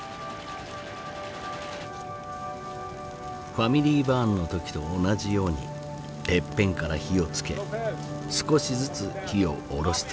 ＦａｍｉｌｙＢｕｒｎの時と同じようにてっぺんから火を付け少しずつ火を下ろしていく。